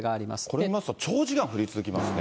これ見ますと長時間、降り続きますね。